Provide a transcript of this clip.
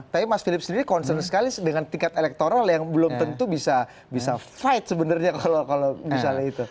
tapi mas philip sendiri concern sekali dengan tingkat elektoral yang belum tentu bisa fight sebenarnya kalau misalnya itu